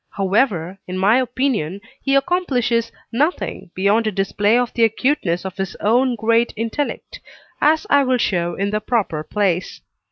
However, in my opinion, he accomplishes nothing beyond a display of the acuteness of his own great intellect, as I will show in the proper place.